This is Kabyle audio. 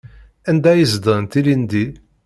Anda ay zedɣent ilindi?